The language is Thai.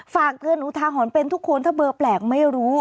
ฝากเตือนอุทาหรณ์เป็นทุกคนถ้าเบอร์แปลกไม่รู้